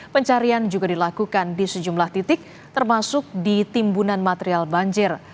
pencarian juga dilakukan di sejumlah titik termasuk di timbunan material banjir